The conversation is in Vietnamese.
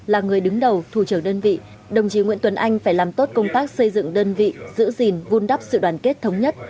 là người đứng đầu thủ trưởng đơn vị đồng chí nguyễn tuấn anh phải làm tốt công tác xây dựng đơn vị giữ gìn vun đắp sự đoàn kết thống nhất